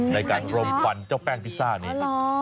ในการรมควันเจ้าแป้งพิซซ่านี้